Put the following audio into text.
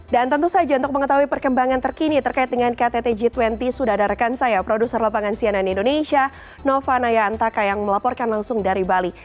dan tentu saja untuk mengetahui perkembangan terkini terkait dengan ktt g dua puluh sudah ada rekan saya produser lapangan sianan indonesia nova naya antaka yang melaporkan langsung dari bali